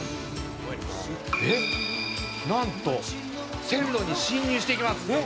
「なんと線路に進入していきます」